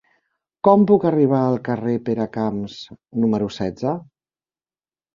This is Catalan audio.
Com puc arribar al carrer de Peracamps número setze?